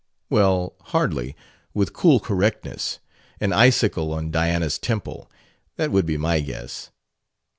"Well, hardly. With cool correctness. An icicle on Diana's temple that would be my guess."